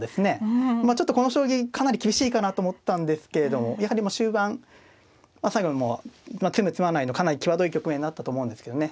まあちょっとこの将棋かなり厳しいかなと思ったんですけれどもやはりもう終盤最後はもう詰む詰まないのかなり際どい局面になったと思うんですけどね